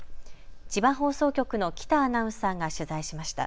千葉放送局の喜多アナウンサーが取材しました。